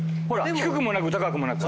低くもなく高くもなく。